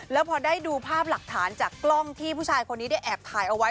แล้วพอได้ดูภาพหลักฐานจากกล้องที่ผู้ชายคนนี้ได้แอบถ่ายเอาไว้